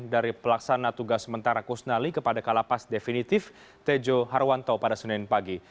dari pelaksana tugas sementara kusnali kepada kalapas definitif tejo harwanto pada senin pagi